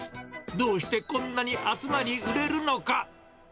どうしてこんなに集まり売れるのか。